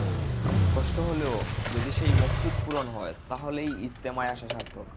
কষ্ট হলেও যদি সেই মকসুদ পূরণ হয়, তাহলেই ইজতেমায় আসা সার্থক।